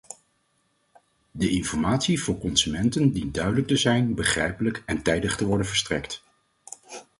De informatie voor consumenten dient duidelijk te zijn, begrijpelijk en tijdig te worden verstrekt.